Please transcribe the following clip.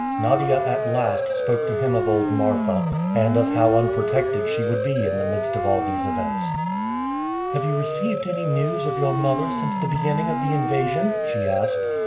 Nadia at last spoke to him of old Marfa, and of how unprotected she would be in the midst of all these events. "Have you received any news of your mother since the beginning of the invasion?" she asked.